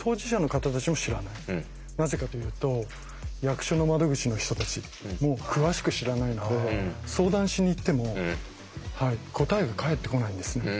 なぜかというと役所の窓口の人たちも詳しく知らないので相談しに行っても答えが返ってこないんですね。